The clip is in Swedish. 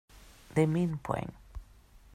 Det är min poäng.